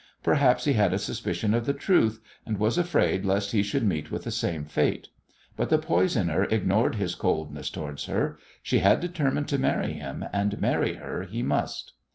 Perhaps he had a suspicion of the truth, and was afraid lest he should meet with the same fate. But the poisoner ignored his coldness towards her. She had determined to marry him, and marry her he must.